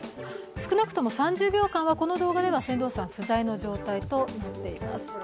少なくとも３０秒間はこの動画では船頭さん不在の状態となっています。